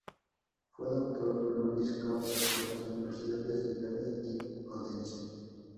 Fue doctor "honoris causa" por las universidades de Yale y Odense.